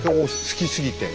好きすぎて。